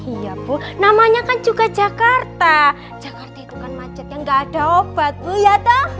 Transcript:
iya bu namanya kan juga jakarta jakarta itu kan macet yang gak ada obat bu ya dah